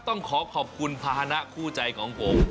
ต้องขอขอบคุณภาษณะคู่ใจของผม